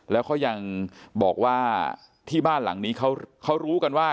แล้วเขายังบอกว่าที่บ้านหลังนี้เขารู้กันว่า